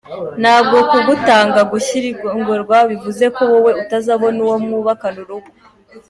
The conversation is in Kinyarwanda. Ntabwo kugutanga gushyingirwa bivuze ko wowe utazabona uwo mwubakana urugo.